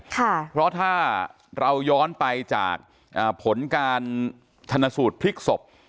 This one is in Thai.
ค่ะเพราะถ้าเราย้อนไปจากอ่าผลการทรรณสูตรพลิกศพ